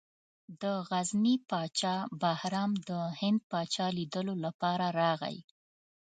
د غزني پاچا بهرام د هند پاچا لیدلو لپاره راغی.